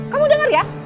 kamu denger ya